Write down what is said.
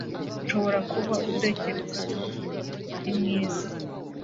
Ushobora kuba utekereza ko Mariya ari mwiza